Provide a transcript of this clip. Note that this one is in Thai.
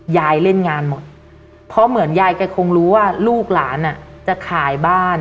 ยายเล่นงานหมดเพราะเหมือนยายแกคงรู้ว่าลูกหลานอ่ะจะขายบ้าน